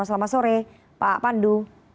selamat sore pak pandu